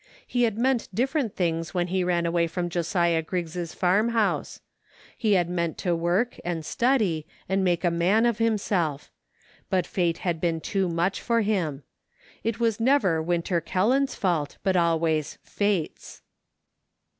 He had meant different things when he ran away from Josiah Griggs' farmhouse. He had meant to work, and study, and make a man of himself; but fate had been too much for him. It was never Winter Kelland's fault, but always Fate's.